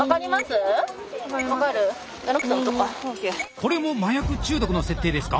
これも麻薬中毒の設定ですか？